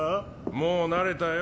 もう慣れたよ。